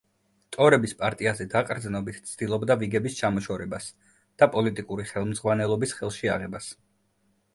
ტორების პარტიაზე დაყრდნობით ცდილობდა ვიგების ჩამოშორებას და პოლიტიკური ხელმძღვანელობის ხელში აღებას.